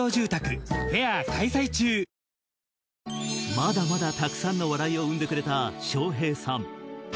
まだまだたくさんの笑いを生んでくれた笑瓶さん